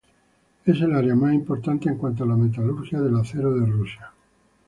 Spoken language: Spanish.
Es el área más importante en cuanto a la metalurgia del acero de Rusia.